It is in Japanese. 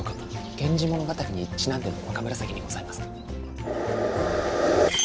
源氏物語にちなんでの若紫にございますか？